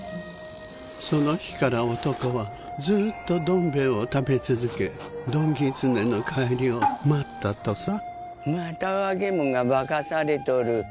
その日から男はずーっと「どん兵衛」を食べ続けどんぎつねの帰りを待ったとさまた若えもんが化かされとる。